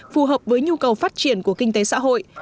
phù hợp với nhu cầu phát triển của kinh tế xã hội